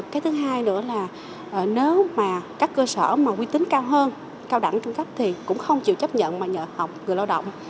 cái thứ hai nữa là nếu mà các cơ sở mà quy tính cao hơn cao đẳng trung cấp thì cũng không chịu chấp nhận mà nhờ học người lao động